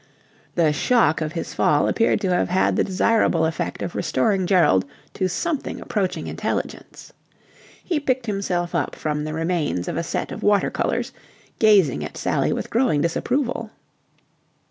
The shock of his fall appeared to have had the desirable effect of restoring Gerald to something approaching intelligence. He picked himself up from the remains of a set of water colours, gazing at Sally with growing disapproval.